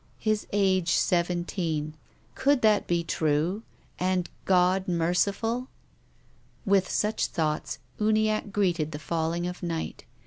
"His age seven teen." Could that be true and God merciful ? With such thoughts, Uniacke greeted the falling of night.